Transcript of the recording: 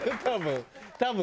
多分。